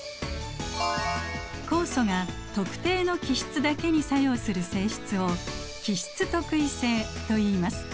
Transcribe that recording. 酵素が特定の基質だけに作用する性質を基質特異性といいます。